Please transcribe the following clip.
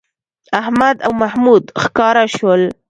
احمد او محمود ښکاره شول